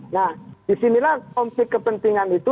nah disinilah konflik kepentingan itu